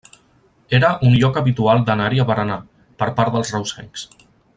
Era un lloc habitual d'anar-hi a berenar, per part dels reusencs.